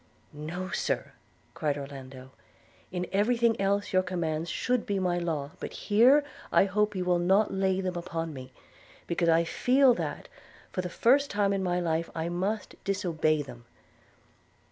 'No, Sir,' cried Orlando: 'in every thing else your commands should be my law; but here I hope you will not lay them upon me, because I feel that, for the first time in my life, I must disobey them.'